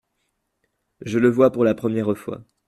Je le vois pour la première fois.